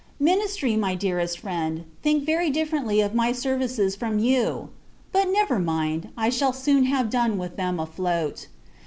Ministry, my dearest friend, think very differently of my services from you! But, never mind; I shall soon have done with them afloat.